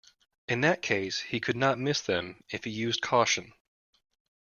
In that case he could not miss them, if he used caution.